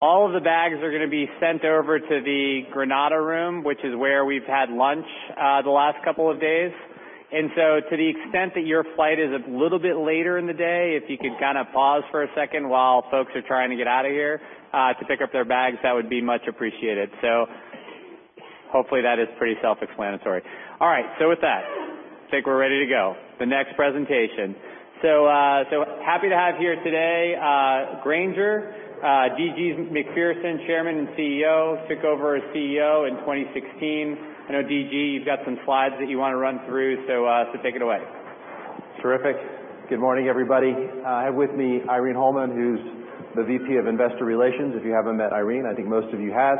All of the bags are going to be sent over to the Granada Room, which is where we've had lunch the last couple of days. To the extent that your flight is a little bit later in the day, if you could kind of pause for a second while folks are trying to get out of here to pick up their bags, that would be much appreciated. Hopefully that is pretty self-explanatory. All right, with that, I think we're ready to go. The next presentation. Happy to have here today, Grainger, D.G. Macpherson, Chairman and Chief Executive Officer, took over as CEO in 2016. I know, D.G., you've got some slides that you want to run through, take it away. Terrific. Good morning, everybody. I have with me Irene Holman, who's the VP of Investor Relations, if you haven't met Irene, I think most of you have.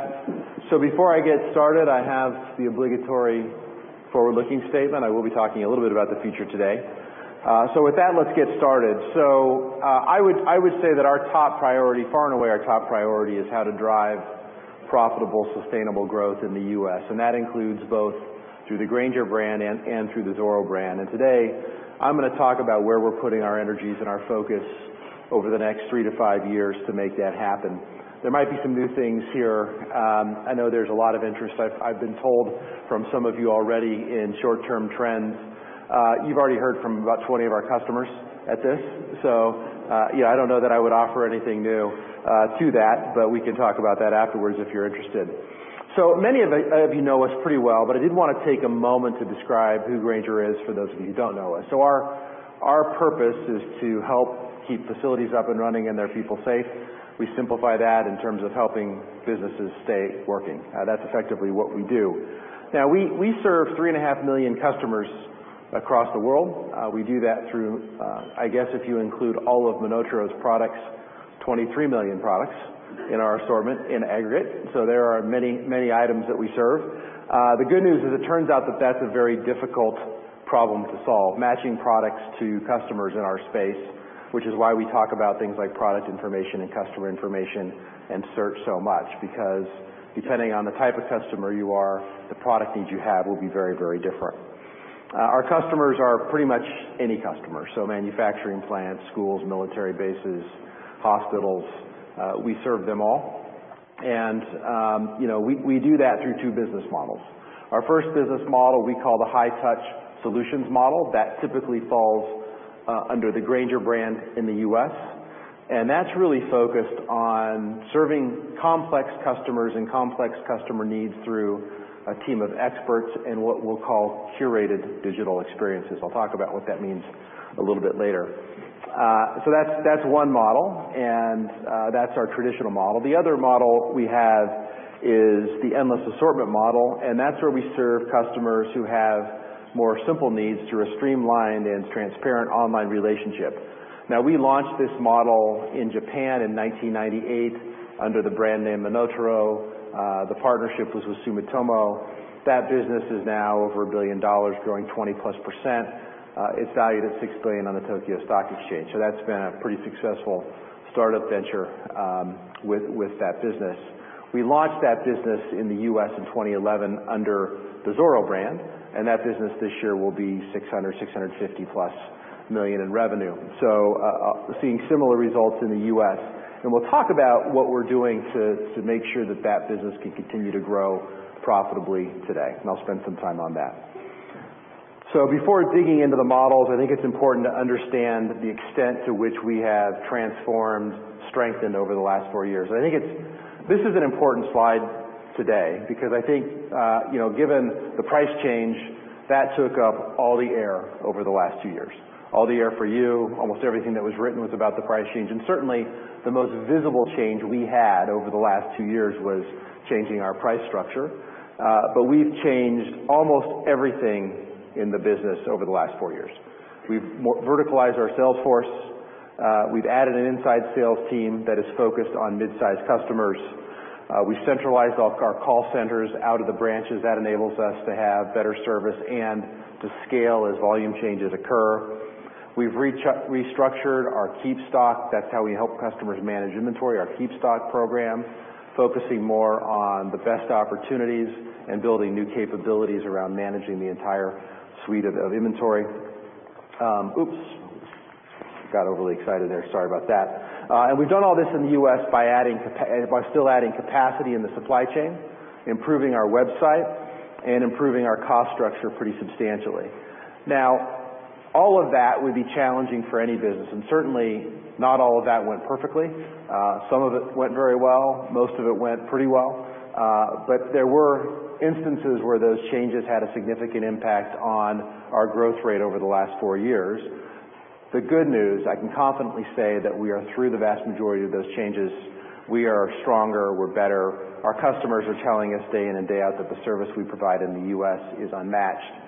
Before I get started, I have the obligatory forward-looking statement. I will be talking a little bit about the future today. With that, let's get started. I would say that our top priority, far and away our top priority, is how to drive profitable, sustainable growth in the U.S., and that includes both through the Grainger brand and through the Zoro brand. Today, I'm going to talk about where we're putting our energies and our focus over the next 3 to 5 years to make that happen. There might be some new things here. I know there's a lot of interest, I've been told, from some of you already in short-term trends. You've already heard from about 20 of our customers at this. Yeah, I don't know that I would offer anything new to that, but we can talk about that afterwards if you're interested. Many of you know us pretty well, but I did want to take a moment to describe who Grainger is for those of you who don't know us. Our purpose is to help keep facilities up and running, and their people safe. We simplify that in terms of helping businesses stay working. That's effectively what we do. Now, we serve three and a half million customers across the world. We do that through, I guess if you include all of MonotaRO's products, 23 million products in our assortment in aggregate. There are many items that we serve. The good news is it turns out that that's a very difficult problem to solve, matching products to customers in our space, which is why we talk about things like product information and customer information and search so much, because depending on the type of customer you are, the product needs you have will be very different. Our customers are pretty much any customer, manufacturing plants, schools, military bases, hospitals, we serve them all. We do that through two business models. Our first business model we call the high-touch solutions model. That typically falls under the Grainger brand in the U.S., and that's really focused on serving complex customers and complex customer needs through a team of experts in what we'll call curated digital experiences. I'll talk about what that means a little bit later. That's one model, and that's our traditional model. The other model we have is the endless assortment model, that's where we serve customers who have more simple needs through a streamlined and transparent online relationship. We launched this model in Japan in 1998 under the brand name MonotaRO. The partnership was with Sumitomo. That business is now over $1 billion, growing 20%+. It's valued at $6 billion on the Tokyo Stock Exchange, that's been a pretty successful startup venture with that business. We launched that business in the U.S. in 2011 under the Zoro brand, and that business this year will be $600 million-$650+ million in revenue. Seeing similar results in the U.S., and we'll talk about what we're doing to make sure that that business can continue to grow profitably today, and I'll spend some time on that. Before digging into the models, I think it's important to understand the extent to which we have transformed, strengthened over the last 4 years. I think this is an important slide today because I think, given the price change, that took up all the air over the last 2 years. All the air for you, almost everything that was written was about the price change, and certainly the most visible change we had over the last 2 years was changing our price structure. We've changed almost everything in the business over the last 4 years. We've verticalized our sales force. We've added an inside sales team that is focused on mid-size customers. We've centralized our call centers out of the branches. That enables us to have better service and to scale as volume changes occur. We've restructured our KeepStock, that's how we help customers manage inventory, our KeepStock program, focusing more on the best opportunities and building new capabilities around managing the entire suite of inventory. Oops, got overly excited there. Sorry about that. We've done all this in the U.S. by still adding capacity in the supply chain, improving our website, and improving our cost structure pretty substantially. All of that would be challenging for any business, certainly not all of that went perfectly. Some of it went very well. Most of it went pretty well. There were instances where those changes had a significant impact on our growth rate over the last 4 years. The good news, I can confidently say that we are through the vast majority of those changes. We are stronger. We're better. Our customers are telling us day in and day out that the service we provide in the U.S. is unmatched,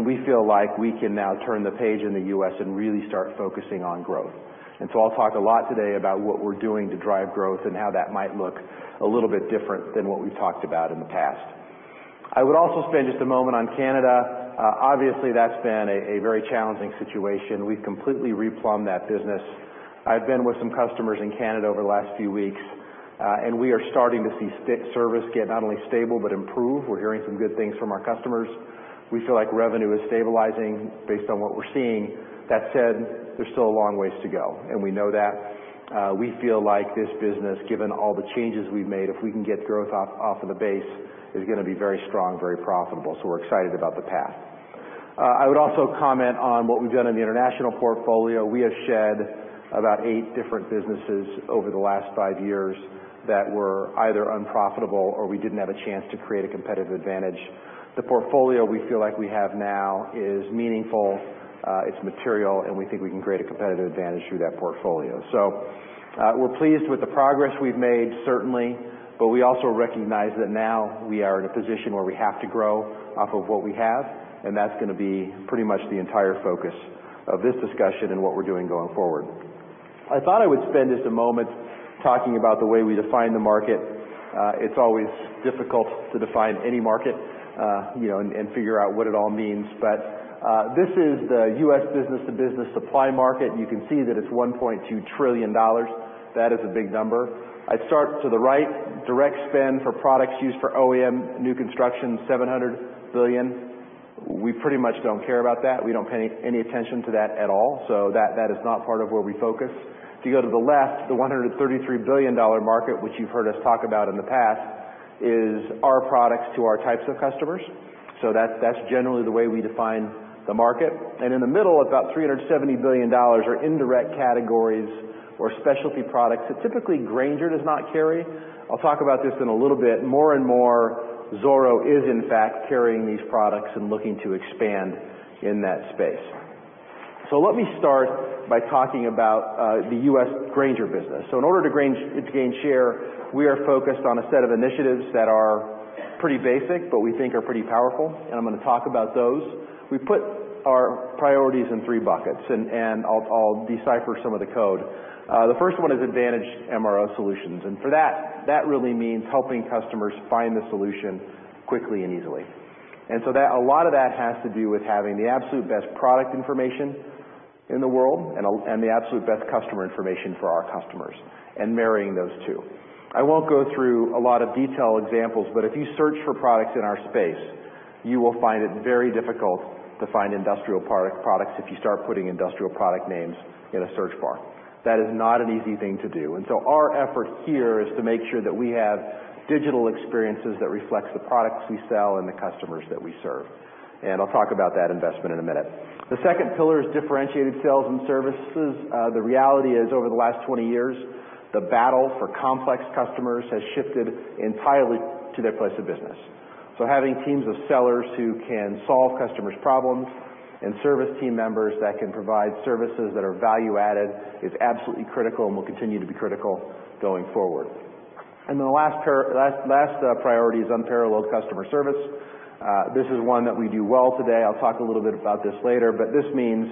we feel like we can now turn the page in the U.S. and really start focusing on growth. I'll talk a lot today about what we're doing to drive growth and how that might look a little bit different than what we've talked about in the past. I would also spend just a moment on Canada. Obviously, that's been a very challenging situation. We've completely replumbed that business. I've been with some customers in Canada over the last few weeks, and we are starting to see service get not only stable but improve. We're hearing some good things from our customers. We feel like revenue is stabilizing based on what we're seeing. That said, there's still a long way to go, and we know that. We feel like this business, given all the changes we've made, if we can get growth off of the base, is going to be very strong, very profitable. We're excited about the path. I would also comment on what we've done in the international portfolio. We have shed about eight different businesses over the last five years that were either unprofitable or we didn't have a chance to create a competitive advantage. The portfolio we feel like we have now is meaningful, it's material, and we think we can create a competitive advantage through that portfolio. We're pleased with the progress we've made, certainly. We also recognize that now we are in a position where we have to grow off of what we have, and that's going to be pretty much the entire focus of this discussion and what we're doing going forward. I thought I would spend just a moment talking about the way we define the market. It's always difficult to define any market, and figure out what it all means. This is the U.S. business-to-business supply market, and you can see that it's $1.2 trillion. That is a big number. I'd start to the right, direct spend for products used for OEM new construction, $700 billion. We pretty much don't care about that. We don't pay any attention to that at all, that is not part of where we focus. If you go to the left, the $133 billion market, which you've heard us talk about in the past, is our products to our types of customers. That's generally the way we define the market. In the middle, about $370 billion are indirect categories or specialty products that typically Grainger does not carry. I'll talk about this in a little bit. More and more, Zoro is in fact carrying these products and looking to expand in that space. Let me start by talking about the U.S. Grainger business. In order to gain share, we are focused on a set of initiatives that are pretty basic, but we think are pretty powerful, and I'm going to talk about those. We put our priorities in three buckets, and I'll decipher some of the code. The first one is advantaged MRO solutions, for that really means helping customers find the solution quickly and easily. A lot of that has to do with having the absolute best product information in the world and the absolute best customer information for our customers, and marrying those two. I won't go through a lot of detailed examples, if you search for products in our space, you will find it very difficult to find industrial products if you start putting industrial product names in a search bar. That is not an easy thing to do. Our effort here is to make sure that we have digital experiences that reflects the products we sell and the customers that we serve. I'll talk about that investment in a minute. The second pillar is differentiated sales and services. The reality is, over the last 20 years, the battle for complex customers has shifted entirely to their place of business. Having teams of sellers who can solve customers' problems and service team members that can provide services that are value-added is absolutely critical and will continue to be critical going forward. The last priority is unparalleled customer service. This is one that we do well today. I'll talk a little bit about this later. This means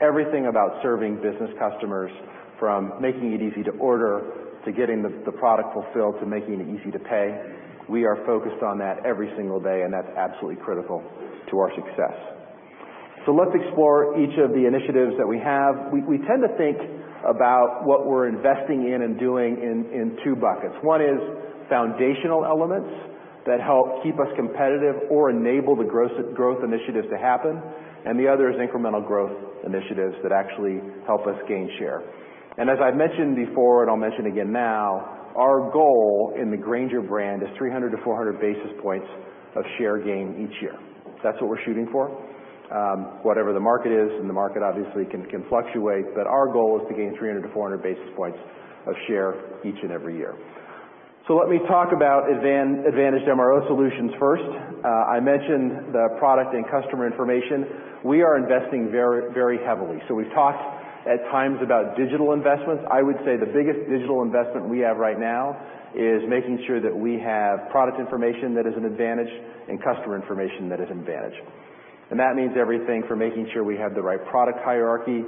everything about serving business customers, from making it easy to order, to getting the product fulfilled, to making it easy to pay. We are focused on that every single day, and that's absolutely critical to our success. Let's explore each of the initiatives that we have. We tend to think about what we're investing in and doing in two buckets. One is foundational elements that help keep us competitive or enable the growth initiatives to happen, and the other is incremental growth initiatives that actually help us gain share. As I've mentioned before, and I'll mention again now, our goal in the Grainger brand is 300 to 400 basis points of share gain each year. That's what we're shooting for. Whatever the market is, the market obviously can fluctuate, but our goal is to gain 300 to 400 basis points of share each and every year. Let me talk about advantaged MRO solutions first. I mentioned the product and customer information. We are investing very heavily. We've talked at times about digital investments. I would say the biggest digital investment we have right now is making sure that we have product information that is an advantage and customer information that is an advantage. That means everything for making sure we have the right product hierarchy,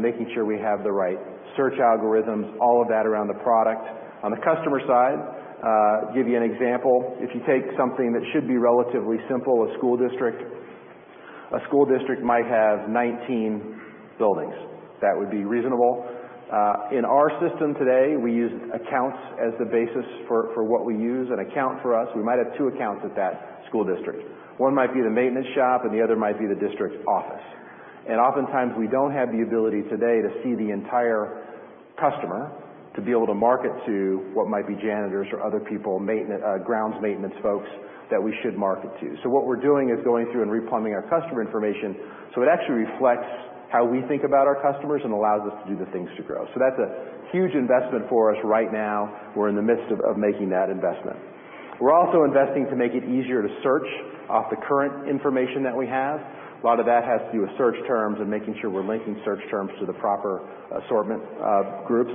making sure we have the right search algorithms, all of that around the product. On the customer side, give you an example. If you take something that should be relatively simple, a school district. A school district might have 19 buildings. That would be reasonable. In our system today, we use accounts as the basis for what we use. An account for us, we might have two accounts at that school district. One might be the maintenance shop and the other might be the district's office. Oftentimes, we don't have the ability today to see the entire customer to be able to market to what might be janitors or other people, grounds maintenance folks that we should market to. What we're doing is going through and replumbing our customer information so it actually reflects how we think about our customers and allows us to do the things to grow. That's a huge investment for us right now. We're in the midst of making that investment. We're also investing to make it easier to search off the current information that we have. A lot of that has to do with search terms and making sure we're linking search terms to the proper assortment of groups.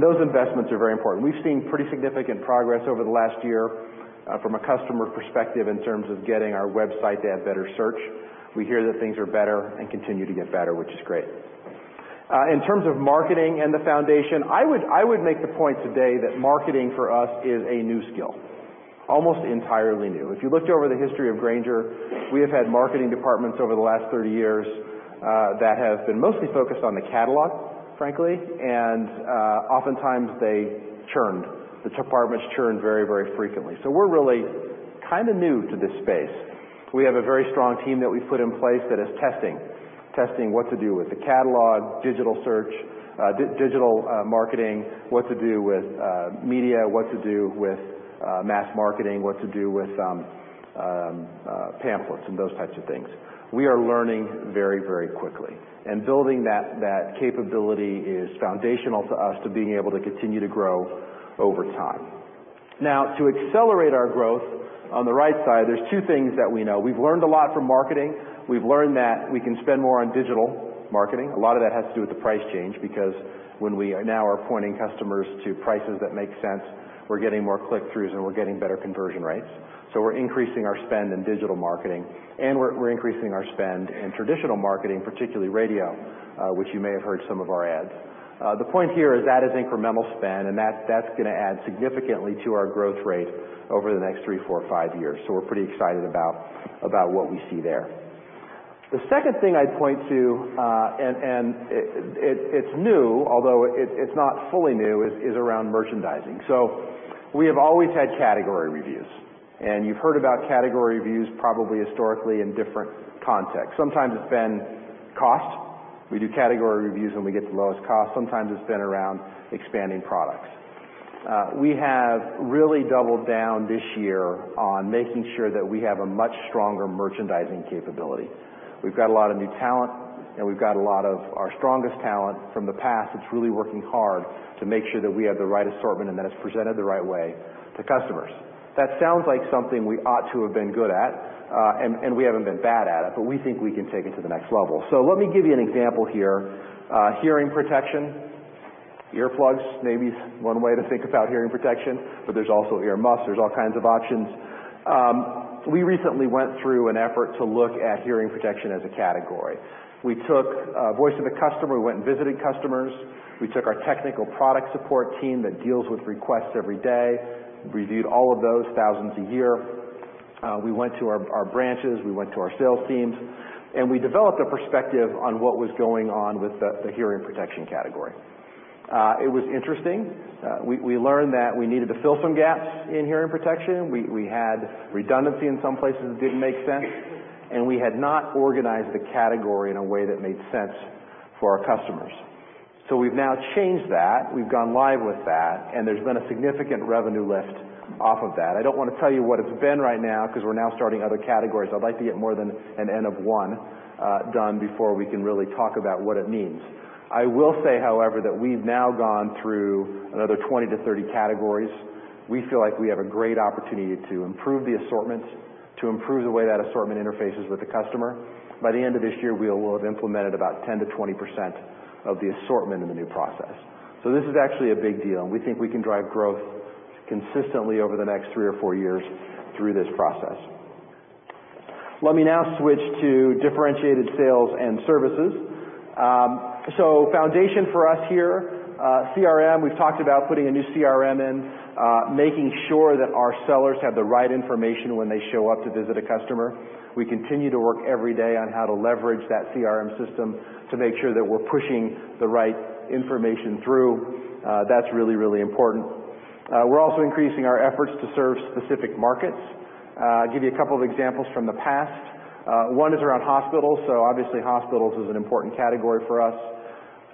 Those investments are very important. We've seen pretty significant progress over the last year from a customer perspective in terms of getting our website to have better search. We hear that things are better and continue to get better, which is great. In terms of marketing and the foundation, I would make the point today that marketing for us is a new skill. Almost entirely new. If you looked over the history of Grainger, we have had marketing departments over the last 30 years, that have been mostly focused on the catalog, frankly. Oftentimes they churned. The departments churned very, very frequently. We're really kind of new to this space. We have a very strong team that we've put in place that is testing. Testing what to do with the catalog, digital search, digital marketing, what to do with media, what to do with mass marketing, what to do with pamphlets, and those types of things. We are learning very, very quickly. Building that capability is foundational to us to being able to continue to grow over time. To accelerate our growth, on the right side, there's two things that we know. We've learned a lot from marketing. We've learned that we can spend more on digital marketing. A lot of that has to do with the price change, because when we now are pointing customers to prices that make sense, we're getting more click-throughs and we're getting better conversion rates. We're increasing our spend in digital marketing and we're increasing our spend in traditional marketing, particularly radio, which you may have heard some of our ads. The point here is that is incremental spend, and that's going to add significantly to our growth rate over the next three, four, five years. We're pretty excited about what we see there. The second thing I'd point to, and it's new, although it's not fully new, is around merchandising. We have always had category reviews, and you've heard about category reviews probably historically in different contexts. Sometimes it's been cost. We do category reviews when we get the lowest cost. Sometimes it's been around expanding products. We have really doubled down this year on making sure that we have a much stronger merchandising capability. We've got a lot of new talent, and we've got a lot of our strongest talent from the past that's really working hard to make sure that we have the right assortment and that it's presented the right way to customers. That sounds like something we ought to have been good at, and we haven't been bad at it, but we think we can take it to the next level. Let me give you an example here. Hearing protection, earplugs, maybe one way to think about hearing protection, but there's also ear muffs. There's all kinds of options. We recently went through an effort to look at hearing protection as a category. We took voice of the customer, we went and visited customers, we took our technical product support team that deals with requests every day, reviewed all of those, thousands a year. We went to our branches, we went to our sales teams, and we developed a perspective on what was going on with the hearing protection category. It was interesting. We learned that we needed to fill some gaps in hearing protection. We had redundancy in some places that didn't make sense, and we had not organized the category in a way that made sense for our customers. We've now changed that. We've gone live with that, and there's been a significant revenue lift off of that. I don't want to tell you what it's been right now because we're now starting other categories. I'd like to get more than an N of 1 done before we can really talk about what it means. I will say, however, that we've now gone through another 20 to 30 categories. We feel like we have a great opportunity to improve the assortments, to improve the way that assortment interfaces with the customer. By the end of this year, we will have implemented about 10%-20% of the assortment in the new process. This is actually a big deal, and we think we can drive growth consistently over the next three or four years through this process. Let me now switch to differentiated sales and services. Foundation for us here, CRM, we've talked about putting a new CRM in, making sure that our sellers have the right information when they show up to visit a customer. We continue to work every day on how to leverage that CRM system to make sure that we're pushing the right information through. That's really, really important. We're also increasing our efforts to serve specific markets. I'll give you a couple of examples from the past. One is around hospitals. Obviously, hospitals is an important category for us.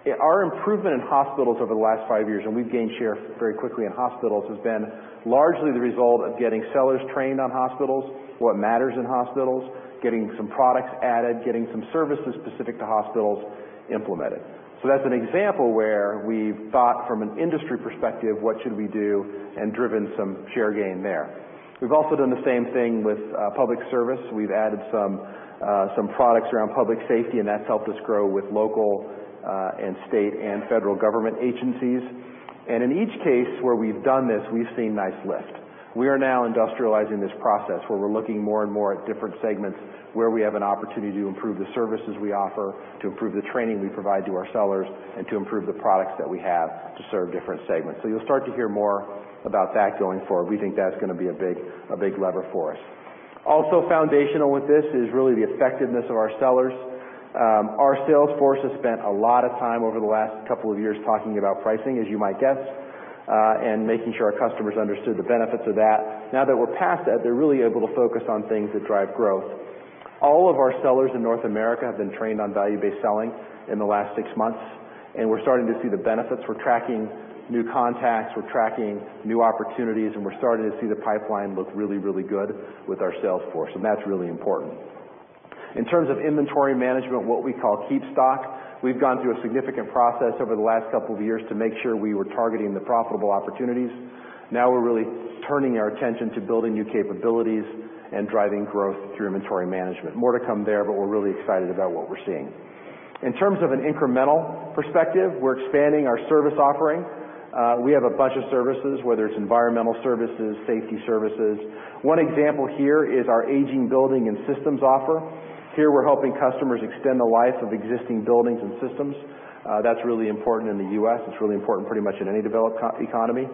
Our improvement in hospitals over the last five years, and we've gained share very quickly in hospitals, has been largely the result of getting sellers trained on hospitals, what matters in hospitals, getting some products added, getting some services specific to hospitals implemented. That's an example where we've thought from an industry perspective, what should we do, and driven some share gain there. We've also done the same thing with public service. We've added some products around public safety, and that's helped us grow with local and state and federal government agencies. In each case where we've done this, we've seen nice lift. We are now industrializing this process where we're looking more and more at different segments where we have an opportunity to improve the services we offer, to improve the training we provide to our sellers, and to improve the products that we have to serve different segments. You'll start to hear more about that going forward. We think that's going to be a big lever for us. Also foundational with this is really the effectiveness of our sellers. Our sales force has spent a lot of time over the last couple of years talking about pricing, as you might guess, and making sure our customers understood the benefits of that. Now that we're past that, they're really able to focus on things that drive growth. All of our sellers in North America have been trained on value-based selling in the last six months, and we're starting to see the benefits. We're tracking new contacts, we're tracking new opportunities, and we're starting to see the pipeline look really, really good with our sales force, and that's really important. In terms of inventory management, what we call KeepStock, we've gone through a significant process over the last couple of years to make sure we were targeting the profitable opportunities. Now we're really turning our attention to building new capabilities and driving growth through inventory management. More to come there, but we're really excited about what we're seeing. In terms of an incremental perspective, we're expanding our service offering. We have a bunch of services, whether it's environmental services, safety services. One example here is our aging building and systems offer. Here we're helping customers extend the life of existing buildings and systems. That's really important in the U.S. It's really important pretty much in any developed economy.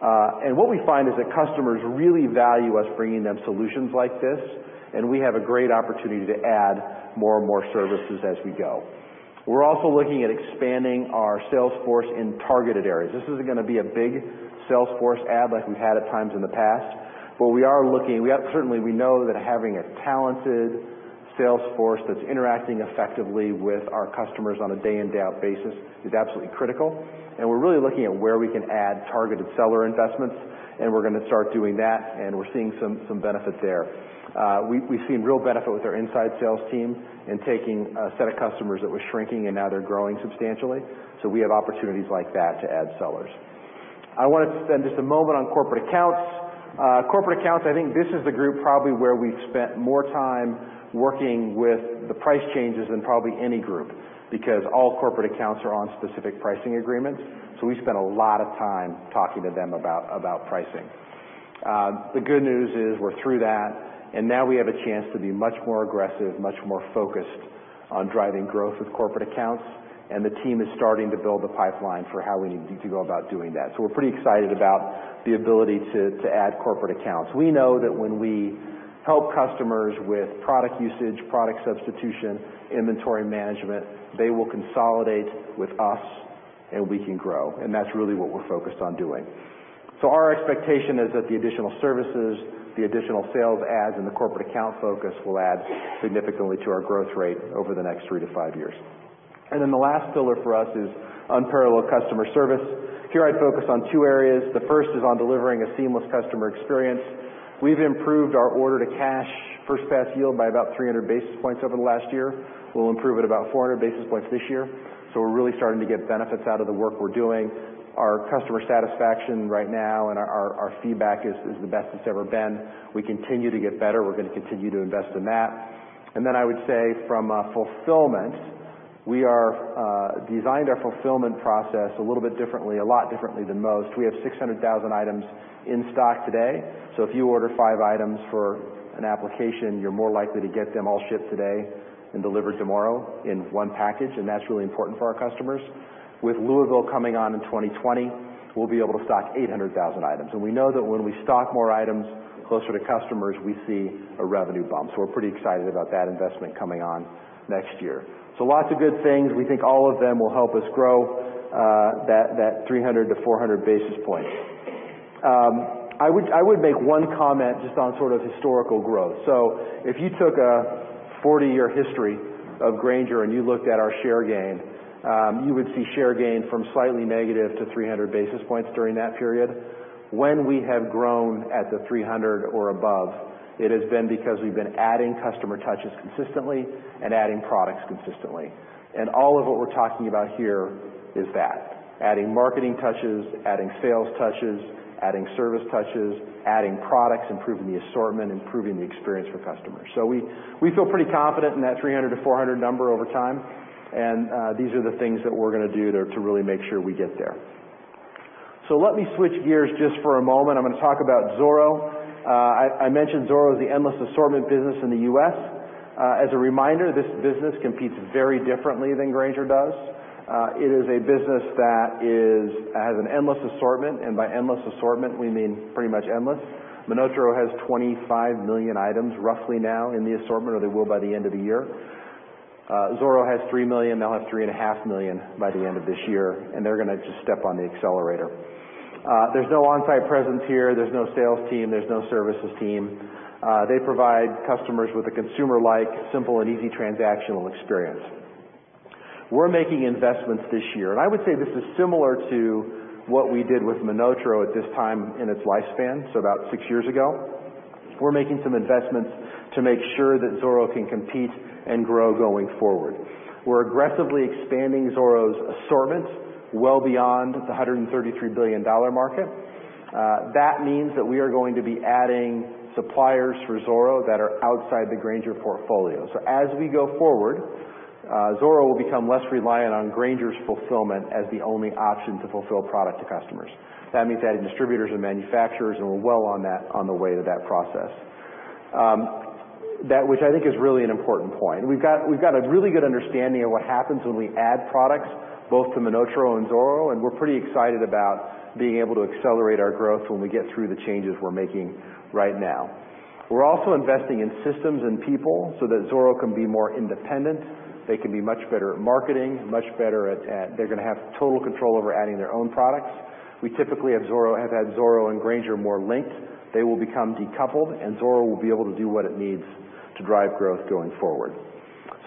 What we find is that customers really value us bringing them solutions like this, and we have a great opportunity to add more and more services as we go. We're also looking at expanding our sales force in targeted areas. This isn't going to be a big sales force add like we've had at times in the past, but certainly we know that having a talented sales force that's interacting effectively with our customers on a day in, day out basis is absolutely critical, and we're really looking at where we can add targeted seller investments, and we're going to start doing that, and we're seeing some benefits there. We've seen real benefit with our inside sales team in taking a set of customers that were shrinking, and now they're growing substantially. We have opportunities like that to add sellers. I want to spend just a moment on corporate accounts. Corporate accounts, I think this is the group probably where we've spent more time working with the price changes than probably any group, because all corporate accounts are on specific pricing agreements. We spent a lot of time talking to them about pricing. The good news is we're through that, and now we have a chance to be much more aggressive, much more focused on driving growth with corporate accounts, and the team is starting to build a pipeline for how we need to go about doing that. We're pretty excited about the ability to add corporate accounts. We know that when we help customers with product usage, product substitution, inventory management, they will consolidate with us and we can grow, and that's really what we're focused on doing. Our expectation is that the additional services, the additional sales adds, and the corporate account focus will add significantly to our growth rate over the next three to five years. The last pillar for us is unparalleled customer service. Here I'd focus on two areas. The first is on delivering a seamless customer experience. We've improved our order-to-cash first pass yield by about 300 basis points over the last year. We'll improve it about 400 basis points this year, so we're really starting to get benefits out of the work we're doing. Our customer satisfaction right now and our feedback is the best it's ever been. We continue to get better. We're going to continue to invest in that. I would say from a fulfillment, we designed our fulfillment process a little bit differently, a lot differently than most. We have 600,000 items in stock today. If you order five items for an application, you're more likely to get them all shipped today and delivered tomorrow in one package, and that's really important for our customers. With Louisville coming on in 2020, we'll be able to stock 800,000 items. We know that when we stock more items closer to customers, we see a revenue bump. We're pretty excited about that investment coming on next year. Lots of good things. We think all of them will help us grow that 300 to 400 basis points. I would make one comment just on sort of historical growth. If you took a 40-year history of Grainger and you looked at our share gain, you would see share gain from slightly negative to 300 basis points during that period. When we have grown at the 300 or above, it has been because we've been adding customer touches consistently and adding products consistently. All of what we're talking about here is that, adding marketing touches, adding sales touches, adding service touches, adding products, improving the assortment, improving the experience for customers. We feel pretty confident in that 300 to 400 number over time, and these are the things that we're going to do to really make sure we get there. Let me switch gears just for a moment. I'm going to talk about Zoro. I mentioned Zoro is the endless assortment business in the U.S. As a reminder, this business competes very differently than Grainger does. It is a business that has an endless assortment, and by endless assortment, we mean pretty much endless. MonotaRO has 25 million items roughly now in the assortment, or they will by the end of the year. Zoro has 3 million. They'll have 3.5 million by the end of this year, and they're going to just step on the accelerator. There's no on-site presence here. There's no sales team. There's no services team. They provide customers with a consumer-like, simple, and easy transactional experience. We're making investments this year, and I would say this is similar to what we did with MonotaRO at this time in its lifespan, so about six years ago. We're making some investments to make sure that Zoro can compete and grow going forward. We're aggressively expanding Zoro's assortment well beyond the $133 billion market. That means that we are going to be adding suppliers for Zoro that are outside the Grainger portfolio. As we go forward, Zoro will become less reliant on Grainger's fulfillment as the only option to fulfill product to customers. That means adding distributors and manufacturers, and we're well on the way to that process. That which I think is really an important point. We've got a really good understanding of what happens when we add products both to MonotaRO and Zoro, and we're pretty excited about being able to accelerate our growth when we get through the changes we're making right now. We're also investing in systems and people so that Zoro can be more independent. They can be much better at marketing. They're going to have total control over adding their own products. We typically have had Zoro and Grainger more linked. They will become decoupled, and Zoro will be able to do what it needs to drive growth going forward.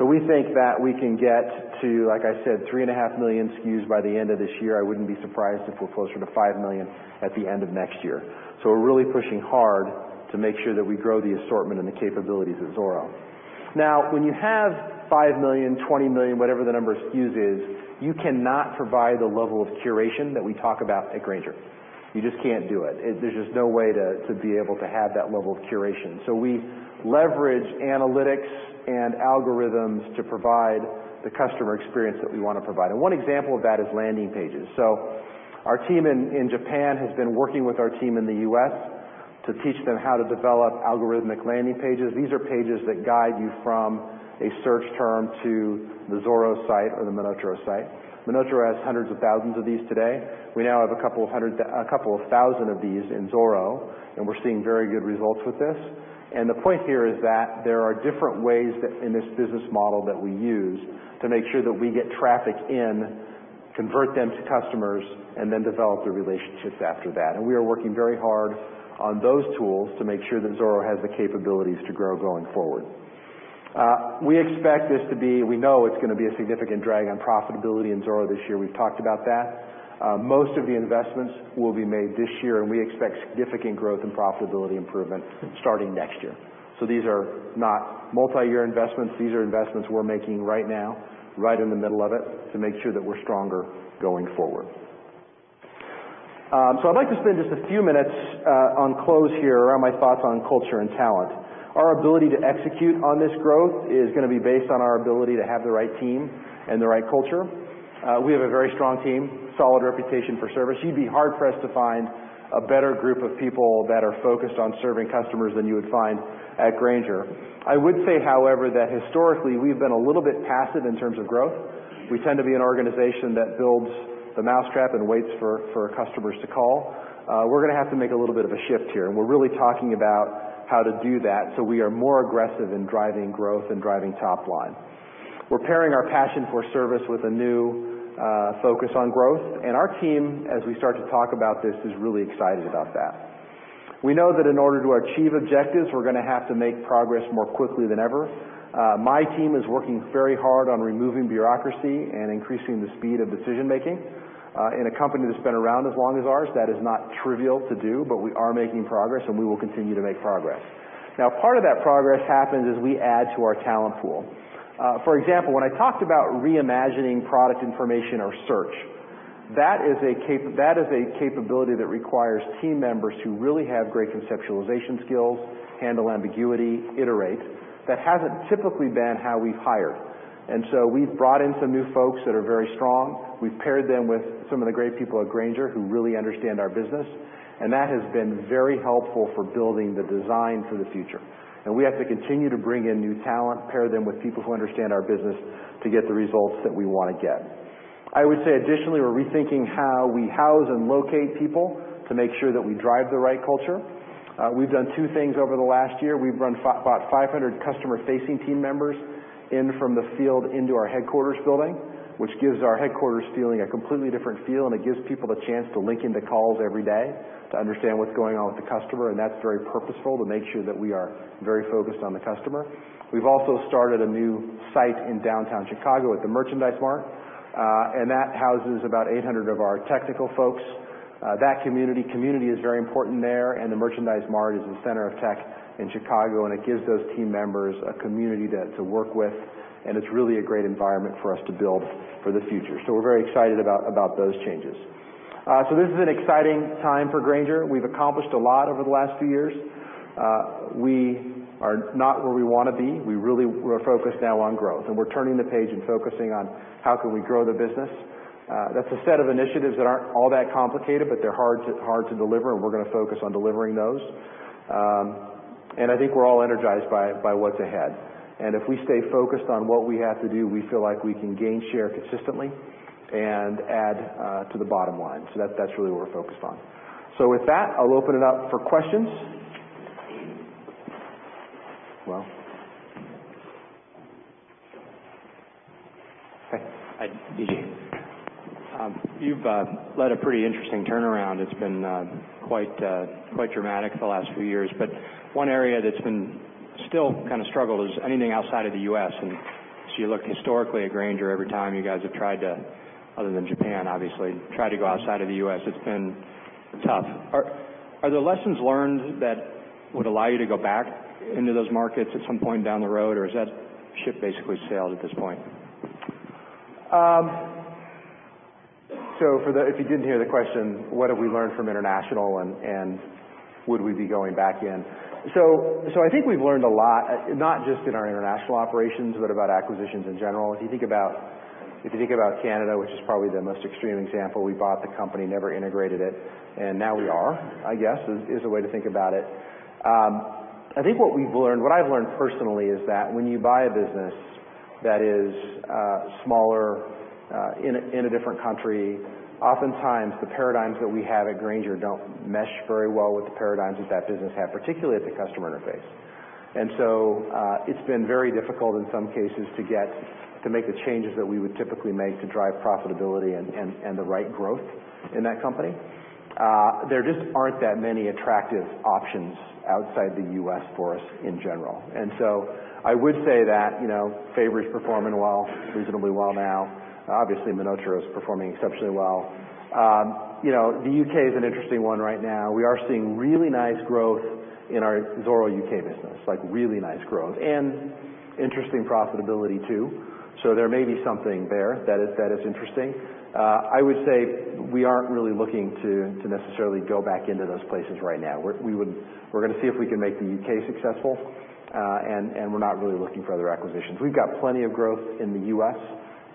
We think that we can get to, like I said, 3.5 million SKUs by the end of this year. I wouldn't be surprised if we're closer to 5 million at the end of next year. We're really pushing hard to make sure that we grow the assortment and the capabilities of Zoro. When you have 5 million, 20 million, whatever the number of SKUs is, you cannot provide the level of curation that we talk about at Grainger. You just can't do it. There's just no way to be able to have that level of curation. We leverage analytics and algorithms to provide the customer experience that we want to provide. And one example of that is landing pages. Our team in Japan has been working with our team in the U.S. to teach them how to develop algorithmic landing pages. These are pages that guide you from a search term to the Zoro site or the MonotaRO site. MonotaRO has hundreds of thousands of these today. We now have a couple of thousand of these in Zoro, and we are seeing very good results with this. The point here is that there are different ways in this business model that we use to make sure that we get traffic and convert them to customers, and then develop the relationships after that. We are working very hard on those tools to make sure that Zoro has the capabilities to grow going forward. We know it's going to be a significant drag on profitability in Zoro this year. We've talked about that. Most of the investments will be made this year, we expect significant growth and profitability improvement starting next year. These are not multi-year investments. These are investments we are making right now, right in the middle of it, to make sure that we are stronger going forward. I'd like to spend just a few minutes on close here around my thoughts on culture and talent. Our ability to execute on this growth is going to be based on our ability to have the right team and the right culture. We have a very strong team, solid reputation for service. You'd be hard-pressed to find a better group of people that are focused on serving customers than you would find at Grainger. I would say, however, that historically, we've been a little bit passive in terms of growth. We tend to be an organization that builds the mousetrap and waits for our customers to call. We are going to have to make a little bit of a shift here, and we are really talking about how to do that so we are more aggressive in driving growth and driving top line. Our team, as we start to talk about this, is really excited about that. We know that in order to achieve objectives, we are going to have to make progress more quickly than ever. My team is working very hard on removing bureaucracy and increasing the speed of decision-making. In a company that's been around as long as ours, that is not trivial to do, but we are making progress, and we will continue to make progress. Part of that progress happens as we add to our talent pool. For example, when I talked about re-imagining product information or search, that is a capability that requires team members who really have great conceptualization skills, handle ambiguity, iterate. That hasn't typically been how we've hired. We've brought in some new folks that are very strong. We've paired them with some of the great people at Grainger who really understand our business, and that has been very helpful for building the design for the future. We have to continue to bring in new talent, pair them with people who understand our business to get the results that we want to get. I would say, additionally, we are rethinking how we house and locate people to make sure that we drive the right culture. We've done two things over the last year. We've brought 500 customer-facing team members in from the field into our headquarters building, which gives our headquarters feeling a completely different feel. It gives people the chance to link into calls every day to understand what's going on with the customer. That's very purposeful to make sure that we are very focused on the customer. We've also started a new site in downtown Chicago at the Merchandise Mart. That houses about 800 of our technical folks. Community is very important there. The Merchandise Mart is the center of tech in Chicago. It gives those team members a community to work with, and it's really a great environment for us to build for the future. We're very excited about those changes. This is an exciting time for Grainger. We've accomplished a lot over the last few years. We are not where we want to be. We really are focused now on growth. We're turning the page and focusing on how can we grow the business. That's a set of initiatives that aren't all that complicated, but they're hard to deliver. We're going to focus on delivering those. I think we're all energized by what's ahead, and if we stay focused on what we have to do, we feel like we can gain share consistently and add to the bottom line. That's really what we're focused on. With that, I'll open it up for questions. Well Hi, D.G. You've led a pretty interesting turnaround. It's been quite dramatic the last few years. One area that's been still kind of struggled is anything outside of the U.S. You look historically at Grainger, every time you guys have tried to, other than Japan, obviously, try to go outside of the U.S., it's been tough. Are there lessons learned that would allow you to go back into those markets at some point down the road, or is that ship basically sailed at this point? If you didn't hear the question, what have we learned from international, and would we be going back in? I think we've learned a lot, not just in our international operations, but about acquisitions in general. If you think about Canada, which is probably the most extreme example, we bought the company, never integrated it, and now we are, I guess, is a way to think about it. I think what we've learned, what I've learned personally is that when you buy a business that is smaller in a different country, oftentimes the paradigms that we have at Grainger don't mesh very well with the paradigms that that business had, particularly at the customer interface. It's been very difficult in some cases to make the changes that we would typically make to drive profitability and the right growth in that company. There just aren't that many attractive options outside the U.S. for us in general. I would say that Fabory is performing well, reasonably well now. Obviously, MonotaRO is performing exceptionally well. The U.K. is an interesting one right now. We are seeing really nice growth in our Zoro U.K. business, like really nice growth, and interesting profitability, too. There may be something there that is interesting. I would say we aren't really looking to necessarily go back into those places right now. We're going to see if we can make the U.K. successful, and we're not really looking for other acquisitions. We've got plenty of growth in the U.S.,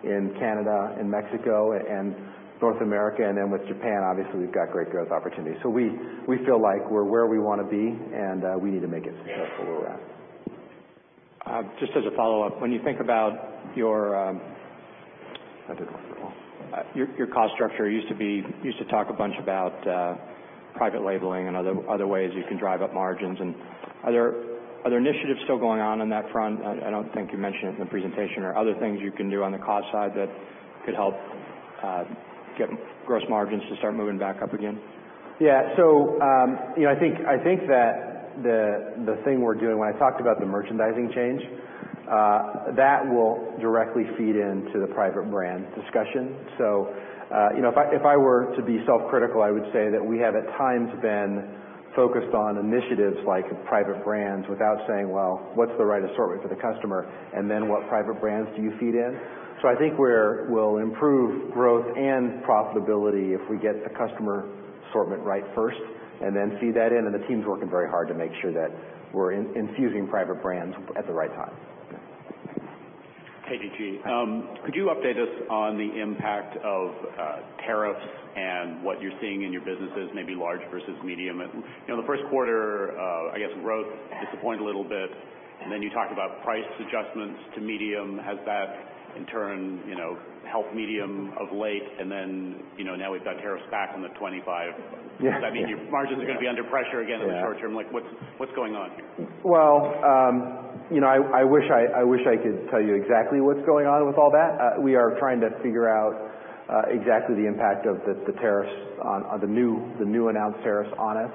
in Canada, in Mexico, and North America, and then with Japan, obviously, we've got great growth opportunities. We feel like we're where we want to be, and we need to make it successful where we're at. Just as a follow-up, when you think about your- That'd be wonderful your cost structure, you used to talk a bunch about private labeling and other ways you can drive up margins. Are there initiatives still going on that front, I don't think you mentioned it in the presentation, or other things you can do on the cost side that could help get gross margins to start moving back up again? Yeah. I think that the thing we're doing, when I talked about the merchandising change, that will directly feed into the private brand discussion. If I were to be self-critical, I would say that we have, at times, been focused on initiatives like private brands without saying, "Well, what's the right assortment for the customer?" "What private brands do you feed in?" I think we'll improve growth and profitability if we get the customer assortment right first and then feed that in. The team's working very hard to make sure that we're infusing private brands at the right time. Okay. Hey, D.G. Could you update us on the impact of tariffs and what you're seeing in your businesses, maybe large versus medium? In the first quarter, I guess growth disappointed a little bit. You talked about price adjustments to medium. Has that, in turn, helped medium of late? Now we've got tariffs back on the 25. Yeah. Does that mean your margins are going to be under pressure again in the short term? Like, what's going on here? Well, I wish I could tell you exactly what's going on with all that. We are trying to figure out exactly the impact of the new announced tariffs on us.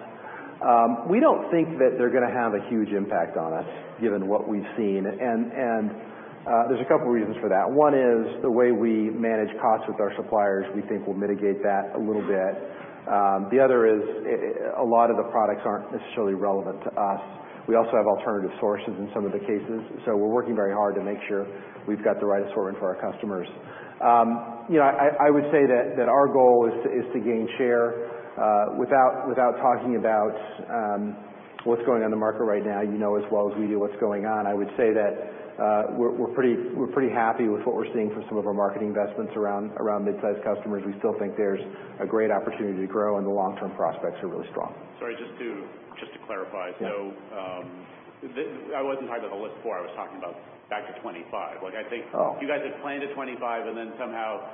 We don't think that they're going to have a huge impact on us, given what we've seen. There's a couple of reasons for that. One is the way we manage costs with our suppliers, we think will mitigate that a little bit. The other is a lot of the products aren't necessarily relevant to us. We also have alternative sources in some of the cases. We're working very hard to make sure we've got the right assortment for our customers. I would say that our goal is to gain share. Without talking about what's going on in the market right now, you know as well as we do what's going on. I would say that we're pretty happy with what we're seeing from some of our marketing investments around midsize customers. We still think there's a great opportunity to grow, and the long-term prospects are really strong. Sorry, just to clarify. Yeah. I wasn't talking about the list of four, I was talking about back to 25. Oh You guys had planned a 25, and then somehow.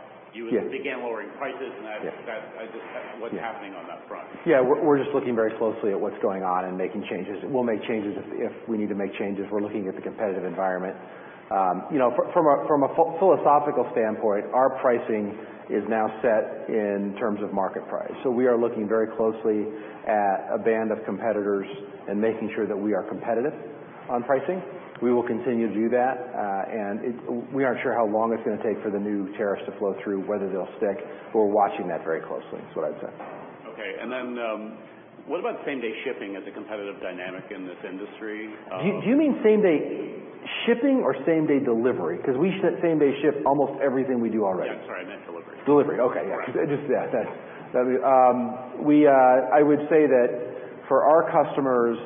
Yeah began lowering prices, Yeah what's happening on that front? Yeah. We're just looking very closely at what's going on and making changes. We'll make changes if we need to make changes. We're looking at the competitive environment. From a philosophical standpoint, our pricing is now set in terms of market price. We are looking very closely at a band of competitors and making sure that we are competitive on pricing. We will continue to do that. We aren't sure how long it's going to take for the new tariffs to flow through, whether they'll stick. We're watching that very closely, is what I'd say. Okay. What about same-day shipping as a competitive dynamic in this industry? Do you mean same-day shipping or same-day delivery? We same-day ship almost everything we do already. Yeah, sorry, I meant delivery. Delivery. Okay. Yeah. Okay. I would say that for our customers,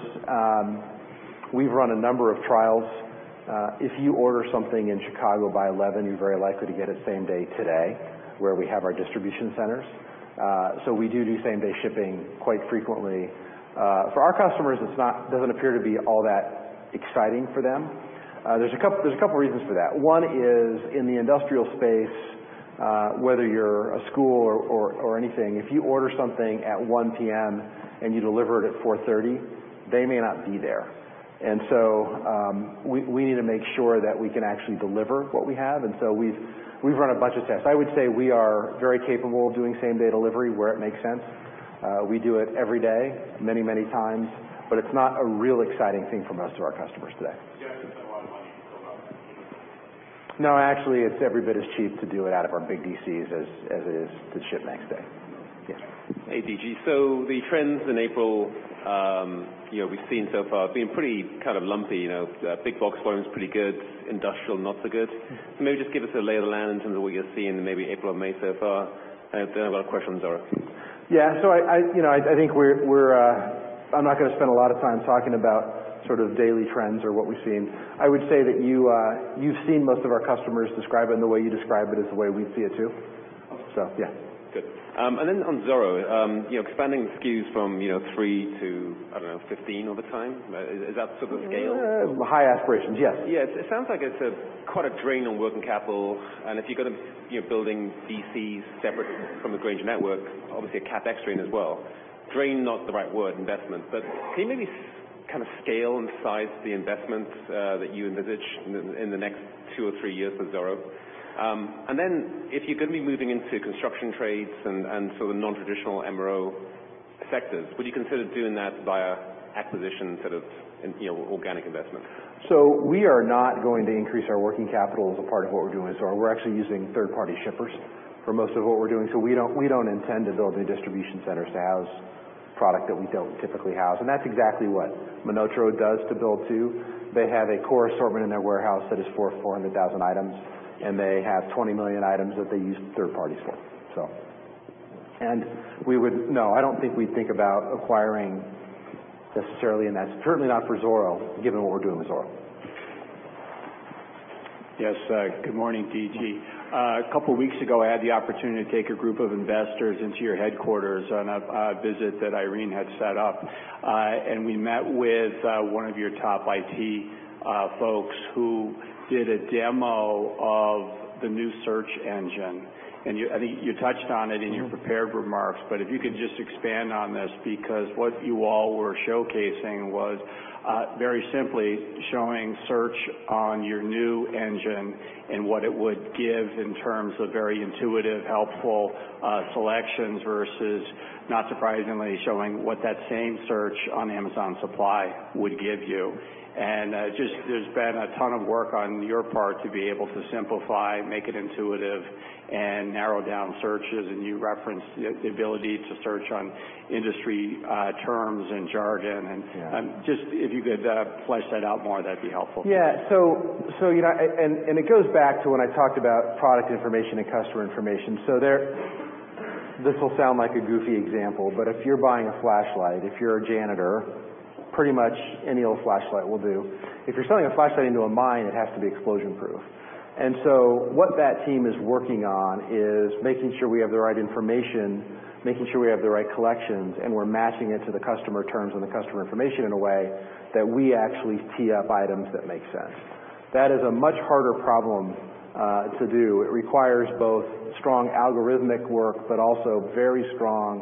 we've run a number of trials. If you order something in Chicago by 11, you're very likely to get it same-day today, where we have our distribution centers. We do same-day shipping quite frequently. For our customers, it doesn't appear to be all that exciting for them. There's a couple of reasons for that. One is in the industrial space, whether you're a school or anything, if you order something at 1:00 P.M. and you deliver it at 4:30 P.M., they may not be there. We need to make sure that we can actually deliver what we have. We've run a bunch of tests. I would say we are very capable of doing same-day delivery where it makes sense. We do it every day, many, many times, it's not a real exciting thing for most of our customers today. You have to spend a lot of money to build out that. No, actually, it's every bit as cheap to do it out of our big DCs as it is to ship next day. Yeah. Hey, D.G. The trends in April we've seen so far have been pretty lumpy, big box volume's pretty good, industrial, not so good. Maybe just give us a lay of the land in terms of what you're seeing in maybe April and May so far. I know a lot of questions are. Yeah. I think I'm not going to spend a lot of time talking about sort of daily trends or what we've seen. I would say that you've seen most of our customers describe it in the way you described it as the way we see it, too. Awesome. Yeah. Good. Then on Zoro, expanding SKUs from three to, I don't know, 15 over time, is that sort of the scale? High aspirations, yes. It sounds like it's quite a drain on working capital, if you're building DCs separate from the Grainger network, obviously a CapEx drain as well. Drain is not the right word, investment. Can you maybe scale and size the investments that you envisage in the next two or three years for Zoro? If you're going to be moving into construction trades and sort of non-traditional MRO sectors, would you consider doing that via acquisition instead of organic investment? We are not going to increase our working capital as a part of what we're doing with Zoro. We're actually using third-party shippers for most of what we're doing. We don't intend to build any distribution centers to house product that we don't typically house, and that's exactly what MonotaRO does to build too. They have a core assortment in their warehouse that is for 400,000 items, and they have 20 million items that they use third parties for. No, I don't think we'd think about acquiring necessarily, and that's certainly not for Zoro, given what we're doing with Zoro. Yes. Good morning, D.G. A couple of weeks ago, I had the opportunity to take a group of investors into your headquarters on a visit that Irene had set up. We met with one of your top IT folks who did a demo of the new search engine. I think you touched on it in your prepared remarks, but if you could just expand on this, because what you all were showcasing was very simply showing search on your new engine and what it would give in terms of very intuitive, helpful selections versus, not surprisingly, showing what that same search on Amazon Business would give you. There's been a ton of work on your part to be able to simplify, make it intuitive, and narrow down searches, and you referenced the ability to search on industry terms and jargon. Yeah. Just if you could flesh that out more, that'd be helpful. Yeah. It goes back to when I talked about product information and customer information. This will sound like a goofy example, but if you're buying a flashlight, if you're a janitor, pretty much any old flashlight will do. If you're selling a flashlight into a mine, it has to be explosion proof. What that team is working on is making sure we have the right information, making sure we have the right collections, and we're matching it to the customer terms and the customer information in a way that we actually tee up items that make sense. That is a much harder problem to do. It requires both strong algorithmic work, but also very strong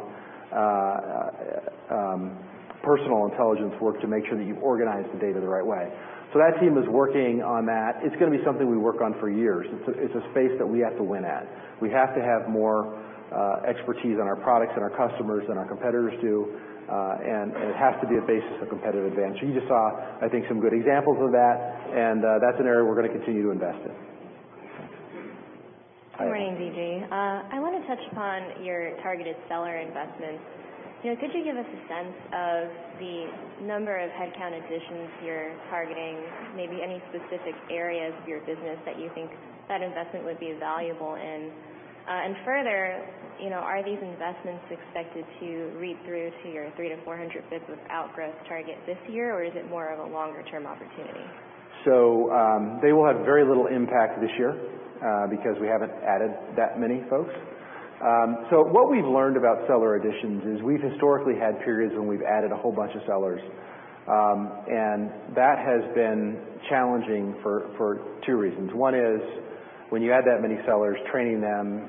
personal intelligence work to make sure that you organize the data the right way. That team is working on that. It's going to be something we work on for years. It's a space that we have to win at. We have to have more expertise on our products and our customers than our competitors do, and it has to be a basis of competitive advantage. You just saw, I think, some good examples of that, and that's an area we're going to continue to invest in. Good morning, D.G. I want to touch upon your targeted seller investments. Could you give us a sense of the number of headcount additions you're targeting, maybe any specific areas of your business that you think that investment would be valuable in? Further, are these investments expected to read through to your three to 400 business outgrowth target this year, or is it more of a longer-term opportunity? They will have very little impact this year because we haven't added that many folks. What we've learned about seller additions is we've historically had periods when we've added a whole bunch of sellers. That has been challenging for two reasons. One is when you add that many sellers, training them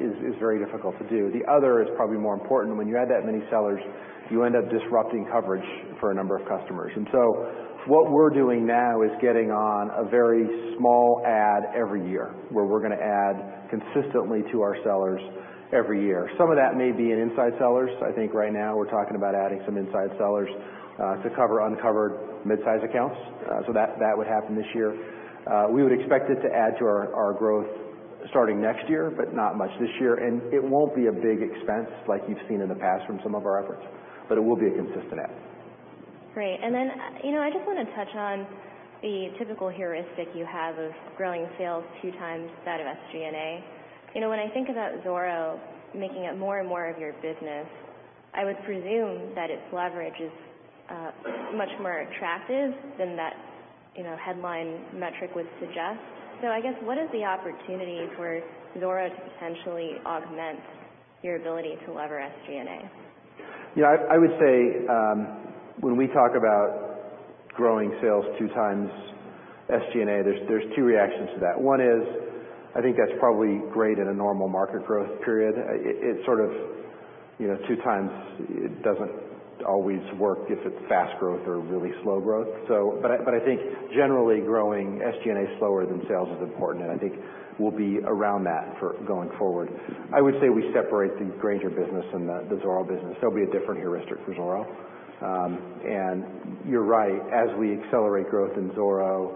is very difficult to do. The other is probably more important. When you add that many sellers, you end up disrupting coverage for a number of customers. What we're doing now is getting on a very small add every year, where we're going to add consistently to our sellers every year. Some of that may be in inside sellers. I think right now we're talking about adding some inside sellers to cover uncovered mid-size accounts. That would happen this year. We would expect it to add to our growth starting next year, but not much this year. It won't be a big expense like you've seen in the past from some of our efforts. It will be a consistent add. Great. Then, I just want to touch on the typical heuristic you have of growing sales two times that of SG&A. When I think about Zoro making up more and more of your business, I would presume that its leverage is much more attractive than that headline metric would suggest. I guess, what is the opportunity where Zoro could potentially augment your ability to lever SG&A? I would say, when we talk about growing sales two times SG&A, there's two reactions to that. One is, I think that's probably great in a normal market growth period. Two times doesn't always work if it's fast growth or really slow growth. I think generally growing SG&A slower than sales is important, and I think we'll be around that for going forward. I would say we separate the Grainger business and the Zoro business. There'll be a different heuristic for Zoro. You're right, as we accelerate growth in Zoro,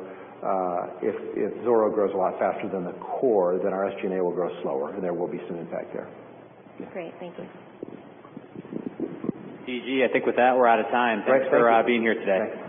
if Zoro grows a lot faster than the core, then our SG&A will grow slower and there will be some impact there. Great. Thank you. D.G., I think with that, we're out of time. Great. Thank you. Thanks for being here today.